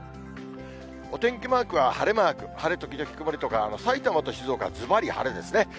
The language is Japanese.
お天気マークは晴れマーク、晴れ時々曇りとか、埼玉と静岡はずばり晴れですね。